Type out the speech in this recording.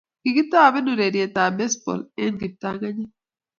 Kikitoben urereitab besbol eng kiptanganyit